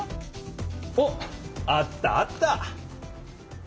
おっあったあった！